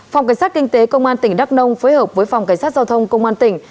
phòng cảnh sát kinh tế công an tỉnh đắk nông phối hợp với phòng cảnh sát giao thông công an tỉnh